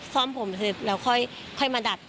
ซ่อมผมแล้วค่อยมาดัด